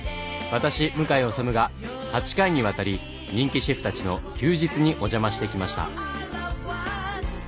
私向井理が８回にわたり人気シェフたちの休日にお邪魔してきました。